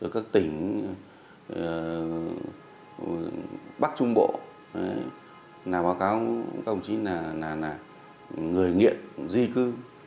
các tỉnh bắc trung bộ báo cáo công chí là người nghiệp di cư